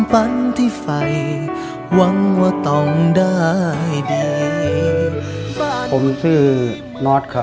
บ้านอยู่